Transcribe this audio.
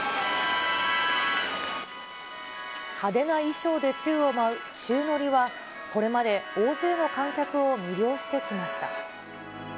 派手な衣装で宙を舞う宙乗りは、これまで大勢の観客を魅了してきました。